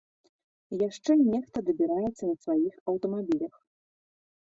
Яшчэ нехта дабіраецца на сваіх аўтамабілях.